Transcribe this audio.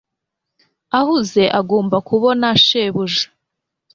ahuze agomba kubona shebuja